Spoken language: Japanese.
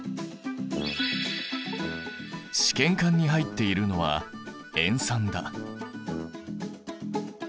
試験管に入っているのは塩酸だ。